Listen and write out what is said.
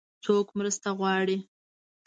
څوک مرسته غواړي؟